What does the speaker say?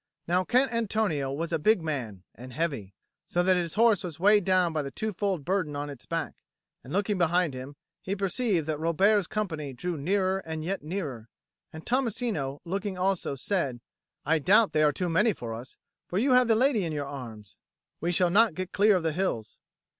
Now Count Antonio was a big man and heavy, so that his horse was weighed down by the twofold burden on its back; and looking behind him, he perceived that Robert's company drew nearer and yet nearer. And Tommasino, looking also, said, "I doubt they are too many for us, for you have the lady in your arms. We shall not get clear of the hills."